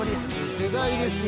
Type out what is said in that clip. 世代ですよ。